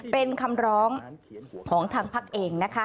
เป็นคำร้องของทางพักเองนะคะ